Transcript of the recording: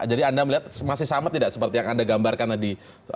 jadi anda melihat masih sama tidak seperti yang anda gambarkan tadi